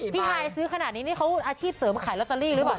พี่ไห้ซื้อขนาดนี้นี่เขาอาชีพเสริมขายแล้วจะรีบหรือเปล่า